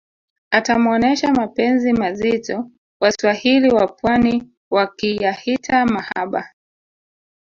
atamuonesha mapenzi mazito waswahili wapwani wakiyahita mahaba